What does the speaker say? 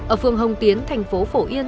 ở phường hồng tiến thành phố phổ yên